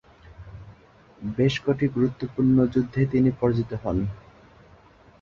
বেশ কটি গুরুত্বপূর্ণ যুদ্ধে তিনি পরাজিত হন।